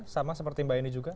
sama seperti mbak eni juga